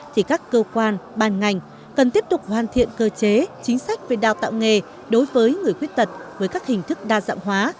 thì các cơ quan ban ngành cần tiếp tục hoàn thiện cơ chế chính sách về đào tạo nghề đối với người khuyết tật với các hình thức đa dạng hóa